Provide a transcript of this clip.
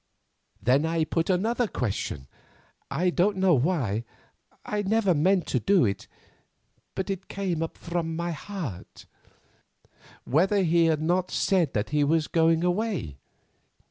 Then I put another question, I don't know why; I never meant to do it, but it came up from my heart—whether he had not said that he was going away?